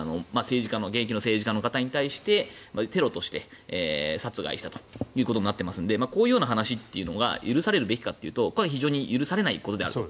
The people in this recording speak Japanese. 現役の政治家の方へのテロとして殺害したということになっていますのでこういう話というのが許されるべきかというとこれは許されないことだと。